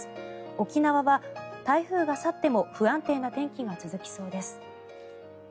沖縄は台風が去っても不安定な天気が続きそうです。